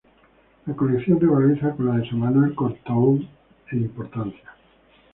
La colección rivaliza con la de Samuel Courtauld en importancia.